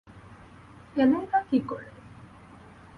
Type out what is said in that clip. এলেই বা কী করে?